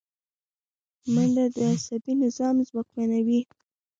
منډه د عصبي نظام ځواکمنوي